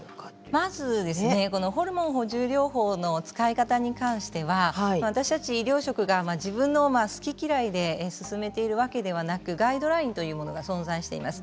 まずホルモン補充療法の使い方に関しては私たち医療職が自分の好き嫌いで進めているわけではなくてガイドラインというものが存在しています。